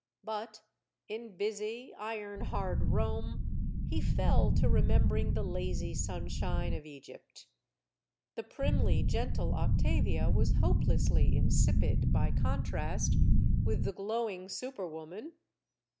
But in busy, iron hard Rome, he fell to remembering the lazy sunshine of Egypt. The primly gentle Octavia was hopelessly insipid by contrast with the glowing super woman.